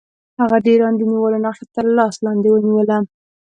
هغه د ایران د نیولو نقشه تر لاس لاندې ونیوله.